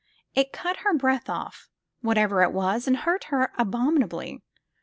It cut her breath off, whatever it was, and hurt her abominably.